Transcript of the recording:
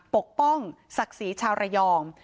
ปกป้องศักดิ์ศรีชาวระยอง